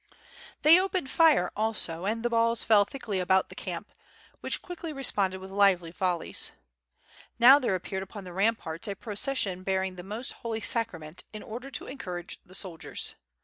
They opened fire also and the balls fell thickly about the camp, which quickly responded with lively yolle3's. Now there appeared upon the ramparts a procession bearing the most Holy Sacrament in order to encourage the soldiers.